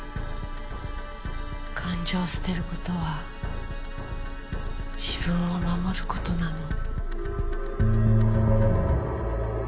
感情を捨てることは自分を守ることなの。